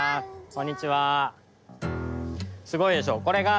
こんにちは。